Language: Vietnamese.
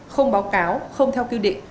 không báo cáo không theo quy định